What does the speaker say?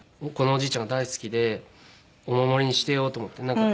このおじいちゃんが大好きでお守りにしてようと思って。